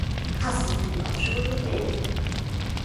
Hast du meine Laufschuhe gesehen?